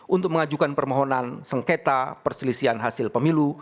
untuk mengajukan permohonan sengketa perselisihan hasil pemilu